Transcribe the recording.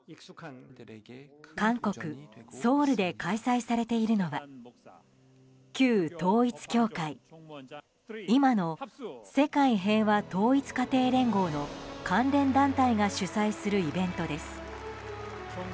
韓国ソウルで開催されているのが旧統一教会、今の世界平和統一家庭連合の関連団体が主催するイベントです。